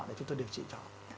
để chúng tôi điều trị cho